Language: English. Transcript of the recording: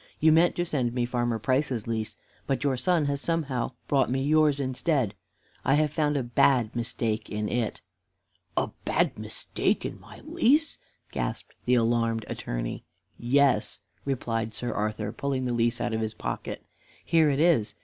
"You meant to send me Farmer Price's lease, but your son has somehow brought me yours instead. I have found a bad mistake in it." "A bad mistake in my lease!" gasped the alarmed Attorney. "Yes," replied Sir Arthur, pulling the lease out of his pocket. "Here it is.